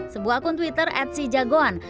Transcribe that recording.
sebuah akun twitter atc jagoan